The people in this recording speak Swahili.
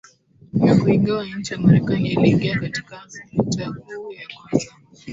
ya kuigawa nchi ya Marekani iliingia katika Vita Kuu ya Kwanza